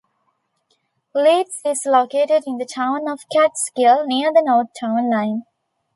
Leeds is located in the town of Catskill, near the north town line.